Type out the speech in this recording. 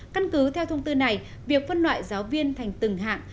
căn cứ theo thông tư này việc phân loại giáo viên thành từng hạng